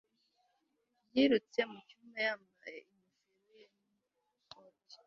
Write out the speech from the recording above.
yirutse mu cyumba yambaye ingofero ye n'ikoti